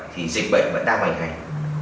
thì dịch bệnh vẫn đang hành hành